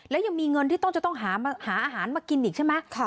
และยังมีเงินที่ต้องจะต้องหาอาหารมากินอีกใช่ไหม